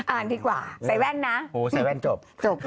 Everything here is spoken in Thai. อ่านดีกว่าใส่แว่นนะโหใส่แว่นจบจบ